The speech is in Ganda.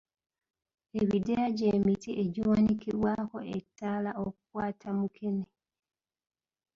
Ebideeya gye miti egiwanikibwako ettaala okukwata mukene.